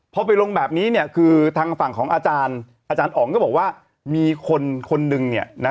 พอไปลงแบบนี้เนี่ยคือทางฝั่งของอาจารย์อาจารย์อ๋องก็บอกว่ามีคนคนหนึ่งเนี่ยนะ